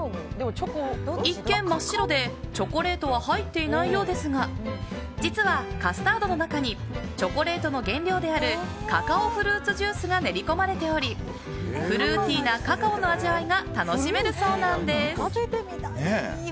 一見、真っ白でチョコレートは入っていないようですが実はカスタードの中にチョコレートの原料であるカカオフルーツジュースが練り込まれておりフルーティーなカカオの味わいが楽しめるそうなんです。